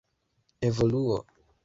evoluo